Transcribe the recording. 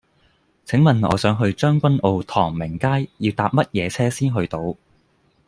請問我想去將軍澳唐明街要搭乜嘢車先去到